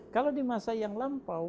kalau di masa yang lampau